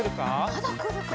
まだくるか？